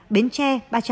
biến tre ba trăm bảy mươi